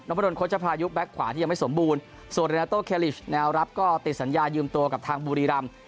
พระดนโค้ชจะพายุแก๊กขวาที่ยังไม่สมบูรณ์ส่วนเรนาโต้เคลิชแนวรับก็ติดสัญญายืมตัวกับทางบุรีรำ